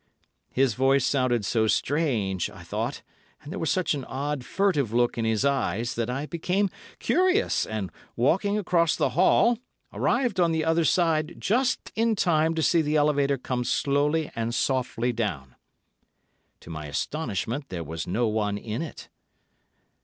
His voice sounded so strange, I thought, and there was such an odd, furtive look in his eyes, that I became curious, and walking across the hall, arrived on the other side, just in time to see the elevator come slowly and softly down. To my astonishment there was no one in it.